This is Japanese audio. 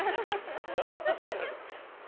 何だってそうじゃないですか。ハハハ！